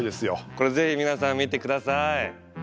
これぜひ皆さん見て下さい。